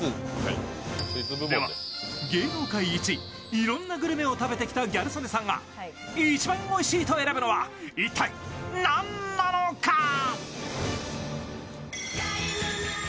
では、芸能界一、いろんなグルメを食べてきたギャル曽根さんが一番おいしいと選ぶのは、一体何なのか？